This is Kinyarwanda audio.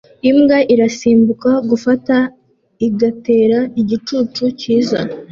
Imbwa irasimbuka gufata igatera igicucu cyiza